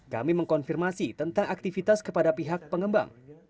kami mengkonfirmasi tentang aktivitas kepada pihak pengembang